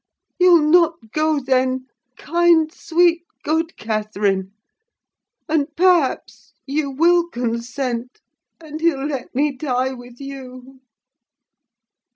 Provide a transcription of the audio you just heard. You'll not go, then? kind, sweet, good Catherine! And perhaps you will consent—and he'll let me die with you!"